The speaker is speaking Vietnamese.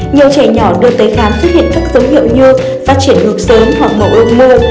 nhiều trẻ nhỏ đưa tới khám xuất hiện các dấu hiệu như phát triển ngực sớm hoặc màu ươm mưa